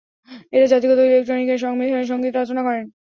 এরা জাতিগত ও ইলেকট্রনিক এর সংমিশ্রণে সঙ্গীত রচনা করেন।